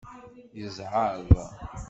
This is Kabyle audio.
Yezɛeḍ.